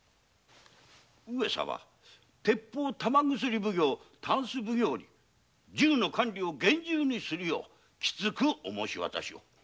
上様鉄砲玉薬奉行箪笥奉行に銃の管理を厳重にするようきつくお申し渡しを。